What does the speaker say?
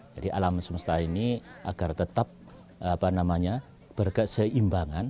jadi alam semesta ini agar tetap berkeseimbangan